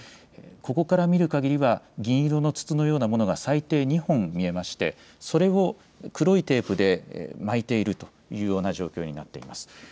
ここから見るかぎりでは銀色の筒のようなものが最低２本見えまして、それを黒いテープでで巻いているというような状況になっています。